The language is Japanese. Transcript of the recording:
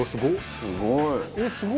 すごい！